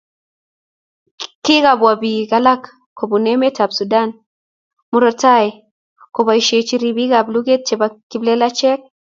kikabwa biik alak kubun emet ab Sudan murotai koboishechi ribik ab luget chebo kiplelachek